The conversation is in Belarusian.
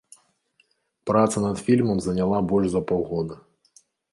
Праца над фільмам заняла больш за паўгода.